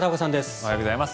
おはようございます。